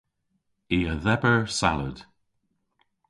I a dheber salad.